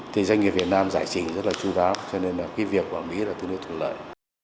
doanh nghiệp việt nam giải trình rất chú đáo cho nên việc vào mỹ tương đối thuận lợi